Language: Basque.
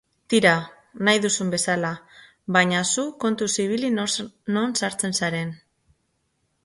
Tira, nahi duzun bezala, baina zu kontuz ibili non sartzen zaren.